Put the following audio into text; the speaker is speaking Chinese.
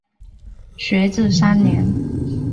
学制三年。